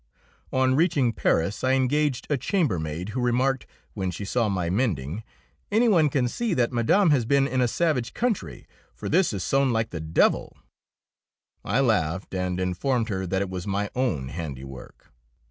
On reaching Paris I engaged a chambermaid, who remarked, when she saw my mending, "Any one can see that Madame has been in a savage country, for this is sewn like the devil." I laughed and informed her that it was my own handiwork.